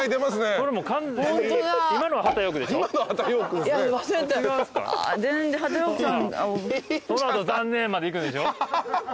この後「残念！！」までいくんでしょ？